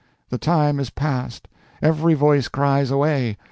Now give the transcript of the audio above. the time is past! Every voice cries 'Away!'